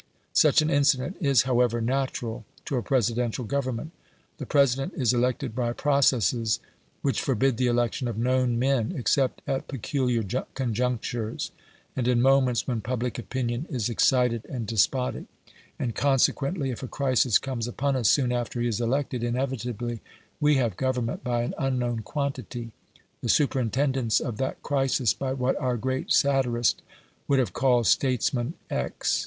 Such an incident is, however, natural to a Presidential government. The President is elected by processes which forbid the election of known men, except at peculiar conjunctures, and in moments when public opinion is excited and despotic; and consequently if a crisis comes upon us soon after he is elected, inevitably we have government by an unknown quantity the superintendence of that crisis by what our great satirist would have called "Statesman X".